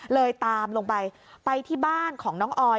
เลยตามลงไปไปที่บ้านของน้องออย